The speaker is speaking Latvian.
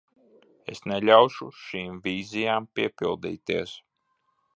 Es neļaušu šīm vīzijām piepildīties.